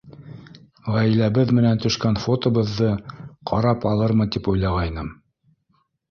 Ғаиләбеҙ менән төшкән фотобыҙҙы ҡарап алырмын тип уйлағайным.